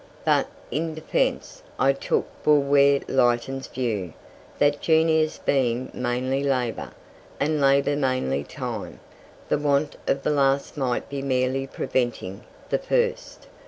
But, in defence, I took Bulwer Lytton's view, that genius being mainly labour, and labour mainly time, the want of the last might be merely preventing the first.